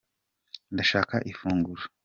Ndashaka ifunguro.